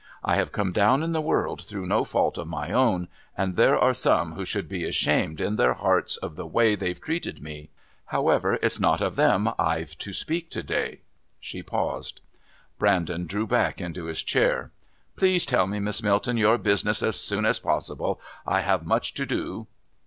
I have come down in the world through no fault of my own, and there are some who should be ashamed in their hearts of the way they've treated me. However, it's not of them I've to speak to day." She paused. Brandon drew back into his chair. "Please tell me, Miss Milton, your business as soon as possible. I have much to do."